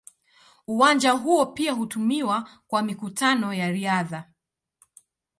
Uwanja huo pia hutumiwa kwa mikutano ya riadha.